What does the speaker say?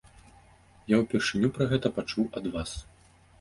Я ўпершыню пра гэта пачуў ад вас.